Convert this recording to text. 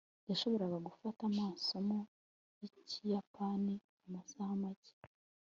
yashoboraga gufata amasomo yikiyapani amasaha make